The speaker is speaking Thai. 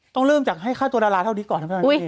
ต้องรีมจากให้ค่าตัวดาราเท่านี้ก่อน